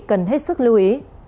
cần hết sức lưu ý